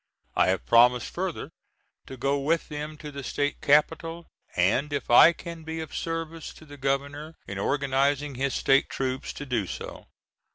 I have promised further to go with them to the State capital, and if I can be of service to the Governor in organizing his state troops to do so.